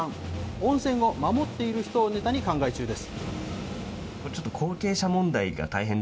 温泉を守っている人をネタに考え中です。